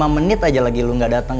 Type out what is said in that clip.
lima menit aja lagi lu gak datang